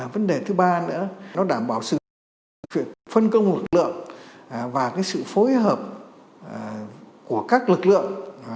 vấn đề thứ ba nữa đảm bảo sự phân công lực lượng và sự phối hợp của các lực lượng